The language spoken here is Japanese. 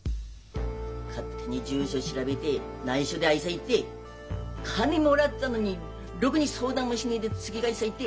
勝手に住所調べでないしょで会いさ行っで金もらっだのにろくに相談もしねえで突き返しさ行っで。